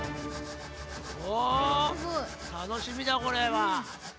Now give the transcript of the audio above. おったのしみだこれは。